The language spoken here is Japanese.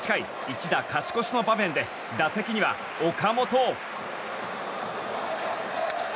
一打勝ち越しの場面で打席には岡本。